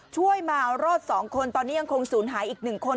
ช่วยมารอดสองคนตอนนี้ยังคงสูญหายอีกหนึ่งคน